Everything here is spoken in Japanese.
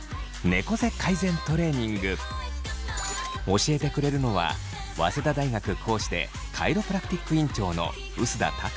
教えてくれるのは早稲田大学講師でカイロプラクティック院長の碓田拓磨さん。